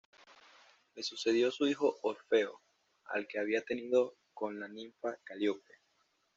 Le sucedió su hijo Orfeo, al que había tenido con la ninfa Calíope.